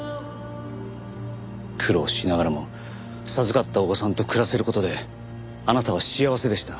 苦労しながらも授かったお子さんと暮らせる事であなたは幸せでした。